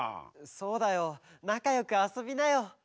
そうだよなかよくあそびなよ。